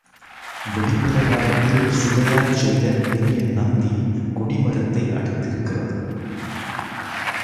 வெளிப்பிரகாரத்தில் சுதையால் செய்த பெரிய நந்தி கொடிமரத்தை அடுத்திருக்கிறது.